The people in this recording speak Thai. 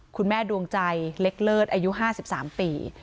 คุณแม่ดวงใจเล็กเลิศอายุ๕๓ปี